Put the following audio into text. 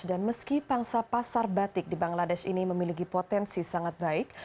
dan meski pangsa pasar batik di bangladesh ini memiliki potensi sangat baik